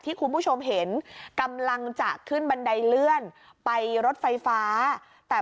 คุณผู้ชมเห็นกำลังจะขึ้นบันไดเลื่อนไปรถไฟฟ้าแต่